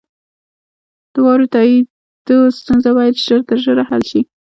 د واورئ تائیدو ستونزه باید ژر تر ژره حل شي.